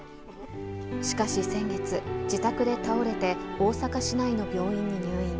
しかし先月、自宅で倒れて、大阪市内の病院に入院。